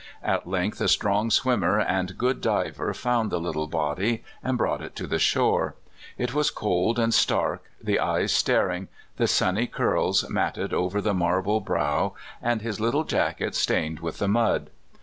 At length a strong swimmer and good diver found the little body, and brought it to the shore. It was cold and stark, the eyes staring, the sunny curls matted over the marble brow, and his little jacket stained with the mud.